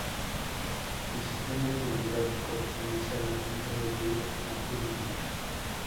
Su sistema hidrográfico pertenece a la cuenca del río Apurímac.